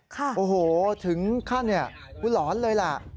ค่ะโอ้โหถึงขั้นร้อนเลยล่ะ